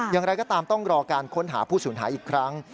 อย่างไรก็ตามต้องรอการค้นหาผู้สูญหายอีกครั้ง